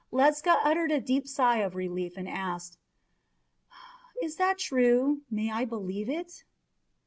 Ledscha uttered a deep sigh of relief, and asked: "Is that true? May I believe it?"